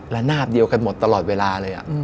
นาบเดียวกันหมดตลอดเวลาเลย